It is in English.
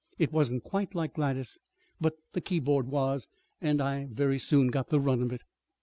It wasn't quite like Gladys's, but the keyboard was, and I very soon got the run of it.